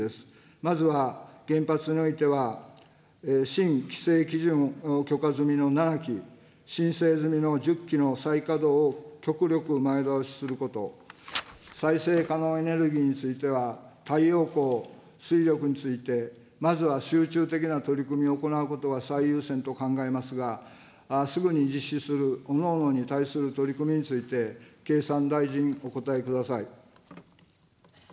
まずは原発においては、新規制基準許可済みの７基、申請済みの１０基の再稼働を極力前倒しすること、再生可能エネルギーについては、太陽光、水力について、まずは集中的な取り組みを行うことが最優先と考えますが、すぐに実施するおのおのに対する取り組みについて、経産大臣、お答えください。